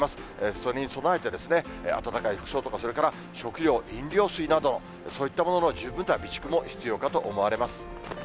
それに備えて、暖かい服装とか、それから食料、飲料水など、そういったものの十分な備蓄も必要かと思われます。